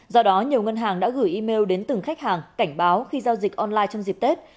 do đó nhiều ngân hàng đã gửi email đến từng khách hàng cảnh báo khi giao dịch online trong dịp tết